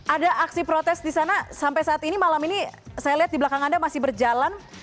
ada aksi protes di sana sampai saat ini malam ini saya lihat di belakang anda masih berjalan